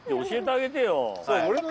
教えてあげてよ。